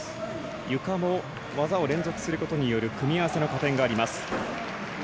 ゆかも技を連続することによる組み合わせの加点があります。